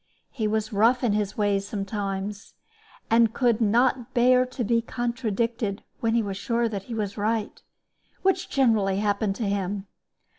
He was rough in his ways sometimes, and could not bear to be contradicted when he was sure that he was right, which generally happened to him.